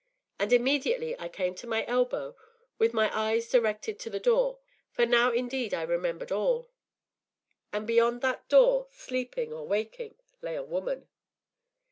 And immediately I came to my elbow, with my eyes directed to the door, for now indeed I remembered all, and beyond that door, sleeping or waking, lay a woman.